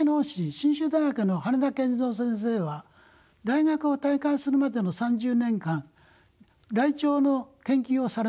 信州大学の羽田健三先生は大学を退官するまでの３０年間ライチョウの研究をされました。